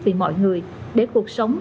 vì mọi người để cuộc sống